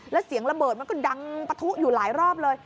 แล้วเสียงระเบิดมันก็ดังปะทุอยู่หลายรอบเลย